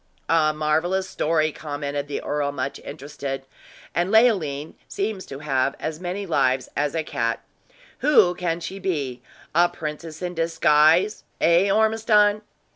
"A marvelous story," commented the earl, much interested. "And Leoline seems to have as many lives as a cat! Who can she be a princess in disguise eh, Ormiston?"